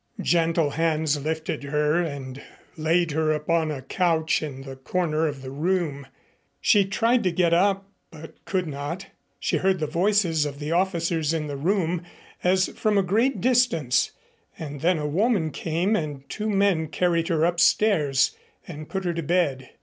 Gentle hands lifted her and laid her upon a couch in the corner of the room. She tried to get up, but could not. She heard the voices of the officers in the room as from a great distance, and then a woman came and two men carried her upstairs and put her to bed.